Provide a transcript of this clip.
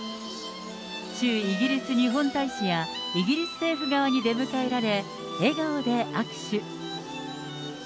駐イギリス日本大使やイギリス政府側に出迎えられ、笑顔で握手。